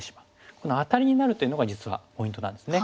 このアタリになるっていうのが実はポイントなんですね。